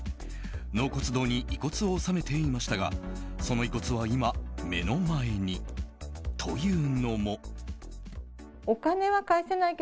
納骨堂に遺骨を納めていましたがその遺骨は今、目の前に。というのも。